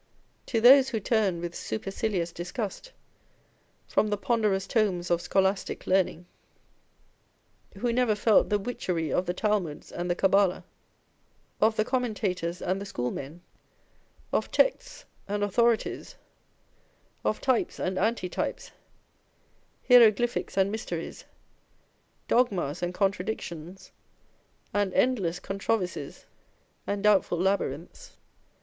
To those who turn with supercilious disgust from the ponderous tomes of scholastic learning, who never felt the witchery of the Talmuds and the Cabbala, of the Commentators and the Schoolmen, of texts and authorities, of types and anti types, hieroglyphics and mysteries, dogmas and contradic tions, and endless controversies and doubtful labyrinths, On Old English Writers and Speakers.